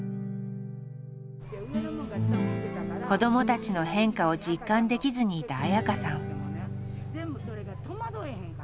子どもたちの変化を実感できずにいた綾香さん。